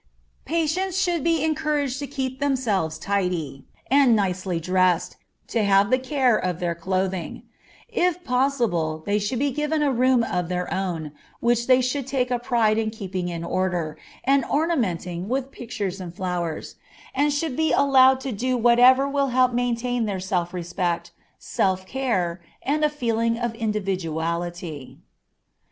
Patients should be encouraged to keep themselves tidy, and nicely dressed, to have the care of their clothing; if possible, they should be given a room of their own, which they should take a pride in keeping in order, and ornamenting with pictures and flowers; and should be allowed to do whatever will help maintain their self respect, self care, and a feeling of individuality.